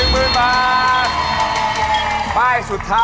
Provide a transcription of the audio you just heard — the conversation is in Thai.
๑หมื่นบาท